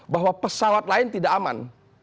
bahwa pesawat lain tidak aman